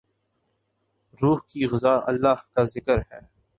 روح کی غذا اللہ کا ذکر ہے